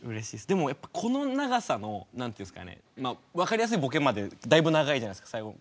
でもやっぱこの長さの何て言うんですかね分かりやすいボケまでだいぶ長いじゃないですか最後。